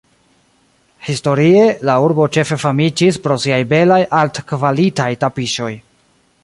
Historie, la urbo ĉefe famiĝis pro siaj belaj, altkvalitaj tapiŝoj.